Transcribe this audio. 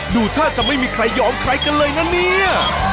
ดูท่าจะไม่มีใครยอมใครกันเลยนะเนี่ย